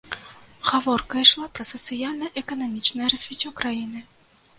Гаворка ішла пра сацыяльна-эканамічнае развіццё краіны.